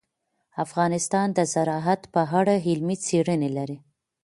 افغانستان د زراعت په اړه علمي څېړنې لري.